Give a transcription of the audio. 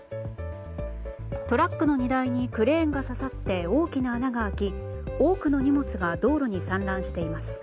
トラックの荷台にクレーンが刺さって大きな穴が開き多くの荷物が道路に散乱しています。